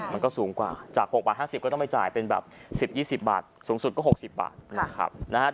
มันก็สูงกว่าจาก๖บาท๕๐ก็ต้องไปจ่ายเป็นแบบ๑๐๒๐บาทสูงสุดก็๖๐บาทนะครับ